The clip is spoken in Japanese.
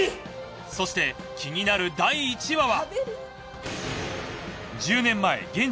そして気になる第１話は？